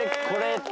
これ。